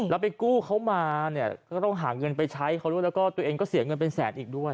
แล้วไปกู้เขามาเนี่ยก็ต้องหาเงินไปใช้เขาด้วยแล้วก็ตัวเองก็เสียเงินเป็นแสนอีกด้วย